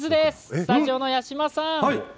スタジオの八嶋さん。